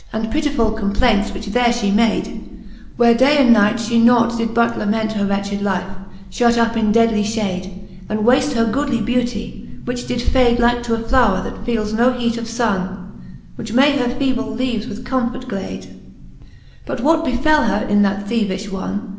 And pittifull complaints, which there fhe made ;, Where day and night fhe nought did but lament Her wretched life, fhut up in deadly fhade, And wafte her goodly beauty, which did fade; Like to a flowre, that feeles no heate of funne, Which may her feeble leaves with comfort glade ji But what befell her in that theevifh wonne.